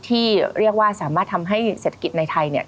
ที่เรียกว่าสามารถทำให้เศรษฐกิจในไทยเนี่ย